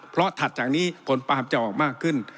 เพราะถัดจากนี้ผลปาล์มจะออกมากขึ้น